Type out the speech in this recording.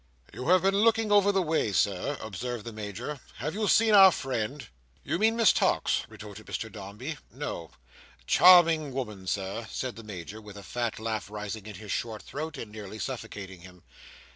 "You have been looking over the way, Sir," observed the Major. "Have you seen our friend?" "You mean Miss Tox," retorted Mr Dombey. "No." "Charming woman, Sir," said the Major, with a fat laugh rising in his short throat, and nearly suffocating him.